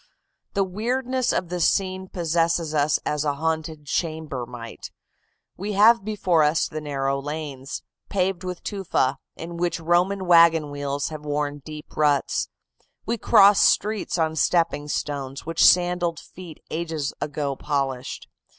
"The weirdness of the scene possesses us as a haunted chamber might. We have before us the narrow lanes, paved with tufa, in which Roman wagon wheels have worn deep ruts. We cross streets on stepping stones which sandaled feet ages ago polished.